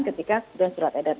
ketika sudah surat edaran